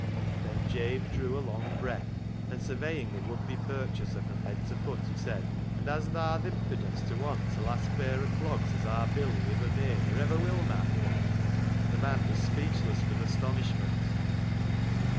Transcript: " Then Jabe drew a long breath, and, surveying the would be purchaser from head to foot, he said —" An' has tha th' impidence to want t' last pair o' clogs as aar Billy iver made or iver will mak' ?" The man was speechless with astonishment.